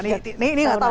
ini tidak tahu